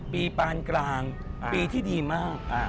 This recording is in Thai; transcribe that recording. ปานกลางปีที่ดีมาก